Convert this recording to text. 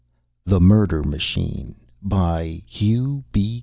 "_] The Murder Machine _By Hugh B.